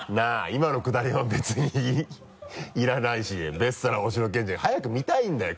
今のくだりは別に要らないしベストな大城健治早く見たいんだよ